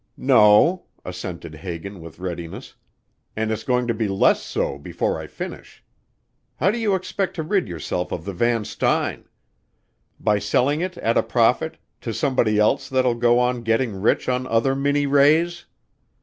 "No," assented Hagan with readiness, "and it's going to be less so before I finish. How do you expect to rid yourself of the Van Styne? By selling it, at a profit, to somebody else that'll go on getting rich on other Minnie Rays?